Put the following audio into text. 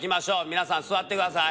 皆さん座ってください。